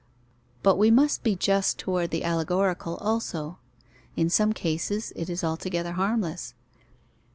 But we must be just toward the allegorical also. In some cases, it is altogether harmless.